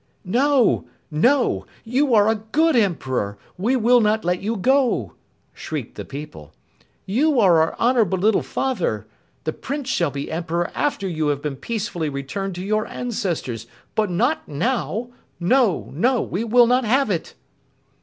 "No! No! You are a good Emperor! We will not let you go!" shrieked the people. "You are our honorable little Father. The Prince shall be Emperor after you have peacefully returned to your ancestors, but not now. No! No! We will not have it!"